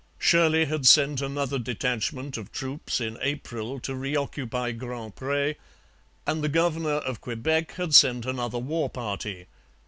Shirley had sent another detachment of troops in April to reoccupy Grand Pre; and the governor of Quebec had sent another war party.